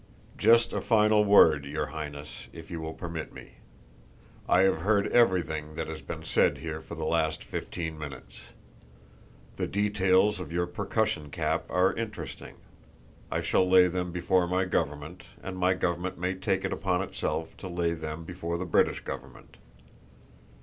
"Just a final word, your Highness, if you will permit me. I have heard everything that has been said here for the last fifteen minutes. The details of your percussion cap are interesting. I shall lay them before my government and my government may take it upon itself to lay them before the British government.